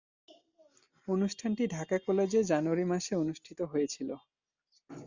অনুষ্ঠানটি ঢাকা কলেজে জানুয়ারি মাসে অনুষ্ঠিত হয়েছিলো।